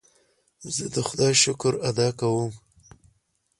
زه د خدای شکر ادا کوم.